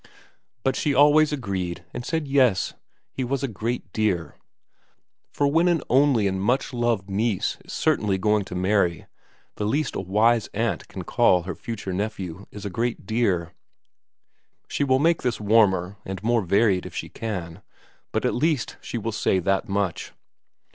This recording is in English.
But she always agreed, and said Yes, he was a great dear ; for when an only and much loved niece is certainly going to marry, the least a wise aunt can call her future nephew is a great dear. She will make this warmer and more varied if she can, but at least she will say that much.